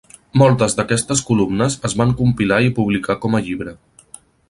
Moltes d'aquestes columnes es van compilar i publicar com a llibre.